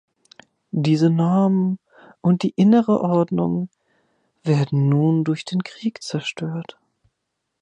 Diese Normen und die innere Ordnung werden nun durch den Krieg zerstört.